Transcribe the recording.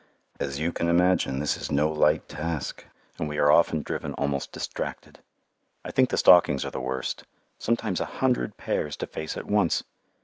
As you can imagine, this is no light task and we are often driven almost distracted. I think the stockings are the worst, sometimes a hundred pairs to face at once!